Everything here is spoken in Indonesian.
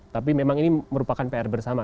tapi memang ini merupakan pr bersama